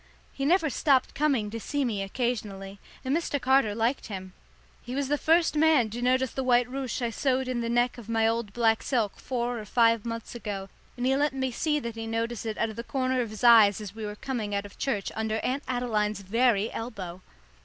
He never stopped coming to see me occasionally, and Mr. Carter liked him. He was the first man to notice the white ruche I sewed in the neck of my old black silk four or five months ago, and he let me see that he noticed it out of the corner of his eyes as we were coming out of church, under Aunt Adeline's very elbow.